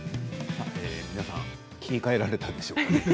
皆さん切り替えられたでしょうか。